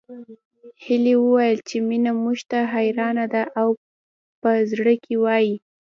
هيلې وويل چې مينه موږ ته حيرانه ده او په زړه کې وايي